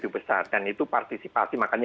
tujuh besar dan itu partisipasi makanya